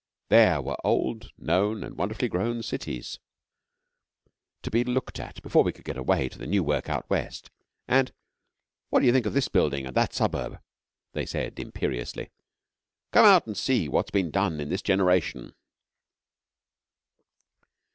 There were old, known, and wonderfully grown cities to be looked at before we could get away to the new work out west, and, 'What d'you think of this building and that suburb?' they said, imperiously. 'Come out and see what has been done in this generation.'